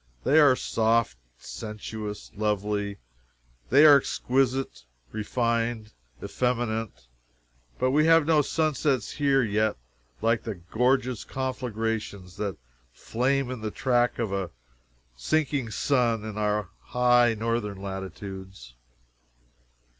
They are soft, sensuous, lovely they are exquisite refined, effeminate, but we have seen no sunsets here yet like the gorgeous conflagrations that flame in the track of the sinking sun in our high northern latitudes.